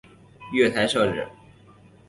月台设置